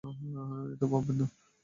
এত ভাববেন না।